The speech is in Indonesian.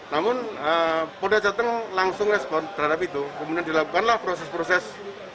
namun polda jateng langsung respon terhadap itu kemudian dilakukanlah proses proses